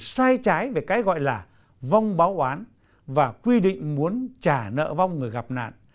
sai trái về cái gọi là vong báo án và quy định muốn trả nợ vong người gặp nạn